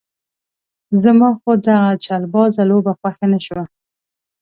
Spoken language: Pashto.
زما خو دغه چلبازه لوبه خوښه نه شوه.